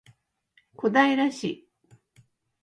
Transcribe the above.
小平市